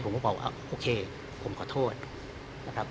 ผมก็บอกว่าโอเคผมขอโทษนะครับ